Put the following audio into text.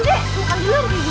bukan di luar di mana dia